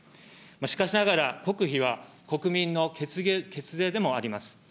しかしながら、国費は国民の血税でもあります。